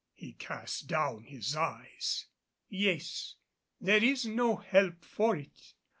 He cast down his eyes. "Yes, there is no help for it.